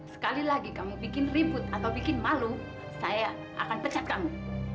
sekali lagi kamu bikin ribut atau bikin malu saya akan pecat kamu